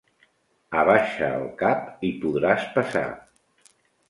Abaixa el cap, i podràs passar.